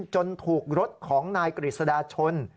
จนถูกรถของนายกฤษดาชน